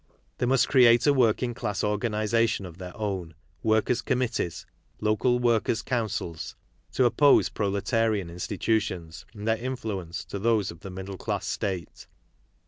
They must create a working class organization of their own, workers' committees, local workers' councils, to oppose proletarian institutions and their influence to those of the middle class state.